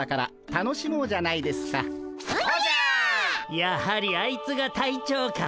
やはりあいつが隊長か。